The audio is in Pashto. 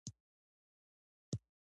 دا خبرې د سلطنت د زمانې اړوند دي.